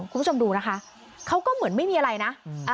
คุณผู้ชมดูนะคะเขาก็เหมือนไม่มีอะไรนะ